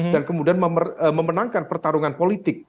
dan kemudian memenangkan pertarungan politik